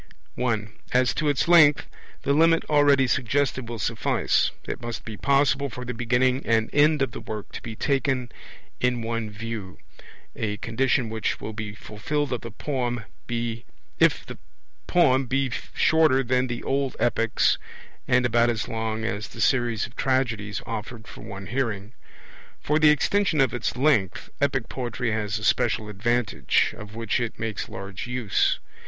(1) As to its length, the limit already suggested will suffice: it must be possible for the beginning and end of the work to be taken in in one view a condition which will be fulfilled if the poem be shorter than the old epics, and about as long as the series of tragedies offered for one hearing. For the extension of its length epic poetry has a special advantage, of which it makes large use.